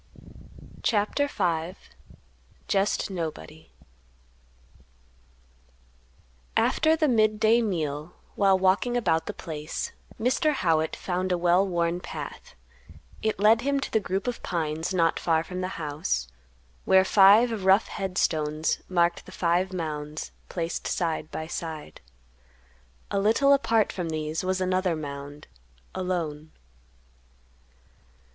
CHAPTER V. "JEST NOBODY." After the midday meal, while walking about the place, Mr. Howitt found a well worn path; it led him to the group of pines not far from the house, where five rough head stones marked the five mounds placed side by side. A little apart from these was another mound, alone.